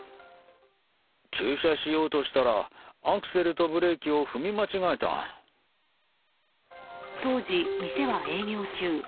駐車しようとしたらアクセルとブレーキを当時、店は営業中。